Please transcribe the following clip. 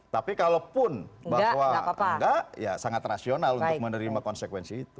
tapi kalaupun bahwa enggak ya sangat rasional untuk menerima konsekuensi itu